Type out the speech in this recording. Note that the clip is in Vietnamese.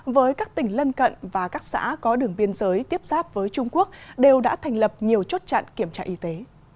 với các tỉnh lân cận và các xã có đường biên giới tiếp giáp với trung quốc đều đã thành lập nhiều chốt chặn kiểm tra y tế